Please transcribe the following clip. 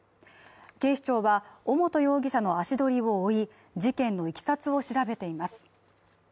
警視庁は尾本容疑者の足取りを追い事件の経緯を調べています。